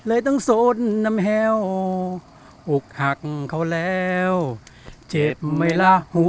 เอาเป็นหัวใจมาง่ายเลยกัน